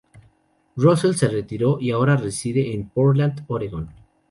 Russell se retiró y ahora reside en Portland, Oregon.